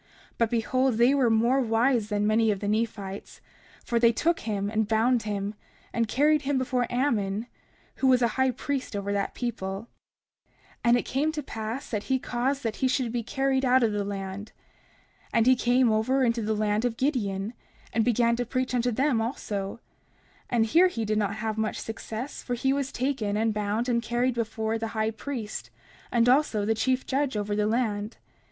30:20 But behold they were more wise than many of the Nephites; for they took him, and bound him, and carried him before Ammon, who was a high priest over that people. 30:21 And it came to pass that he caused that he should be carried out of the land. And he came over into the land of Gideon, and began to preach unto them also; and here he did not have much success, for he was taken and bound and carried before the high priest, and also the chief judge over the land.